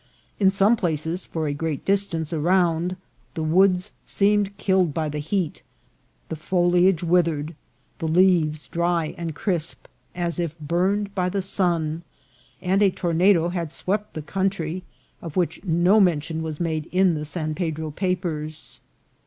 In some places, for a great distance around, the woods seemed killed by the heat, the foli age withered, the leaves dry and crisp, as if burned by the sun ; and a tornado had swept the country, of which no mention was made in the San Pedro papers.